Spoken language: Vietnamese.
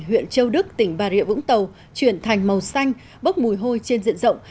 huyện châu đức tỉnh bà rịa vũng tàu chuyển thành màu xanh bốc mùi hôi trên diện rộng